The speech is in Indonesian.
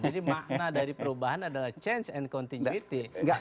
jadi makna dari perubahan adalah change and continuity